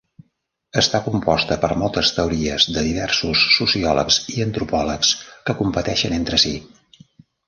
Està composta per moltes teories de diversos sociòlegs i antropòlegs que competeixen entre si.